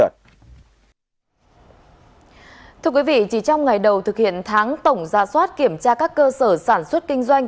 thưa quý vị chỉ trong ngày đầu thực hiện tháng tổng ra soát kiểm tra các cơ sở sản xuất kinh doanh